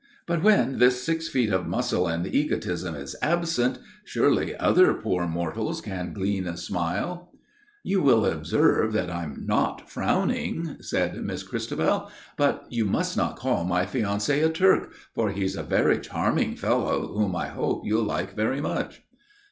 "But when this six feet of muscle and egotism is absent, surely other poor mortals can glean a smile?" "You will observe that I'm not frowning," said Miss Christabel. "But you must not call my fiancé a Turk, for he's a very charming fellow whom I hope you'll like very much."